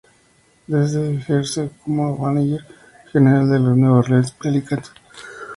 Desde ejerce como manager general de los New Orleans Pelicans.